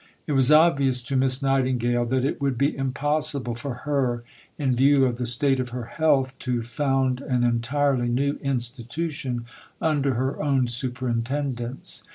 It was obvious to Miss Nightingale that it would be impossible for her, in view of the state of her health, to found an entirely new Institution under her own superintendence.